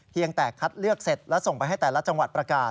แต่คัดเลือกเสร็จและส่งไปให้แต่ละจังหวัดประกาศ